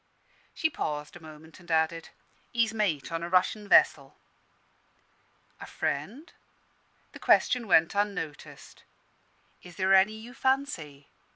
She paused a moment, and added, "He's mate on a Russian vessel." "A friend?" The question went unnoticed. "Is there any you fancy?"